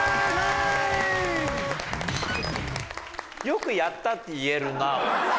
よく「やったー！」って言えるな。